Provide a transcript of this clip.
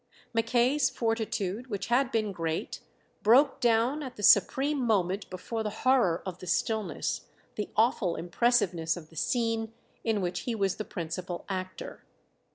Mackay's fortitude, which had been great, broke down at the supreme moment before the horror of the stillness, the awful impressiveness of the scene in which he was the principal actor.